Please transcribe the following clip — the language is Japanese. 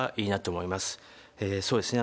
そうですね